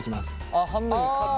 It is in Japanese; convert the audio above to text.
あっ半分にカット。